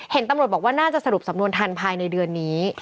เห็นตำรวจบอกว่าน่าจะสรุปสำนวนทันภายในเดือนนี้